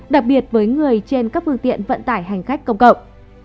đặc biệt với người trên các phương tiện vận tải hành khách công cộng